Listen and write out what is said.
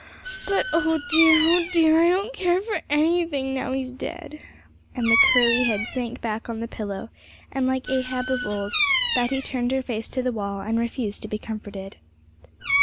But, oh dear, oh dear, I don't care for anything now he's dead!' And the curly head sank back on the pillow; and, like Ahab of old, Betty turned her face to the wall and refused to be comforted.